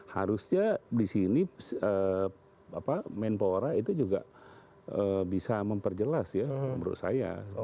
harusnya di sini main power nya itu juga bisa memperjelas ya menurut saya